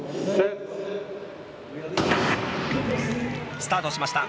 スタートしました。